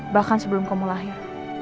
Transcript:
bahkan sebelum kamu lahir